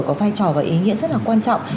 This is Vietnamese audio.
có vai trò và ý nghĩa rất là quan trọng